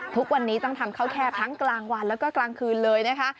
ทุกวันนี้ต้องทำข้าวแคบทั้งกลางวันแล้วก็กลางคืนเลยนะคะ